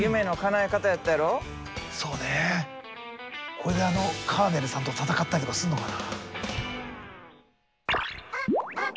これであのカーネルさんと戦ったりとかするのかな。